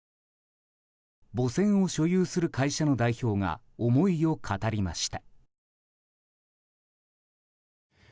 母船を所有する会社の代表が思いを語りました。